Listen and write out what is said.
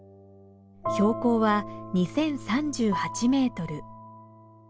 標高は２，０３８メートル。